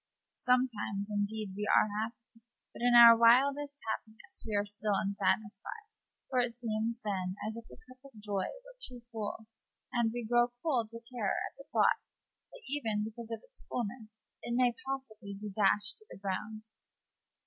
Sometimes, indeed, we are happy; but in our wildest happiness we are still unsatisfied, for it seems then sin if the cup of joy were too full, and we grow cold with terror at the thought that, even because of its fulness, it may possibly be dashed to the ground.